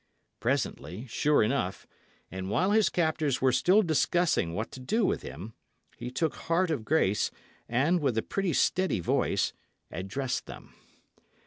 Presently, sure enough, and while his captors were still discussing what to do with him, he took heart of grace, and, with a pretty steady voice, addressed them.